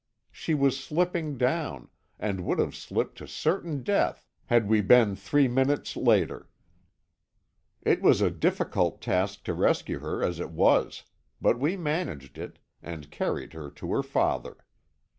She was slipping down, and would have slipped to certain death had we been three minutes later. It was a difficult task to rescue her as it was, but we managed it, and carried her to her father.